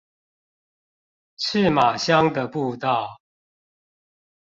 赤馬鄉的步道